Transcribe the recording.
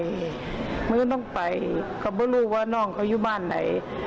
แม่งอื่นต้องไปก็บุ่งรู้ว่าน่องเขาอยู่บ้านไหน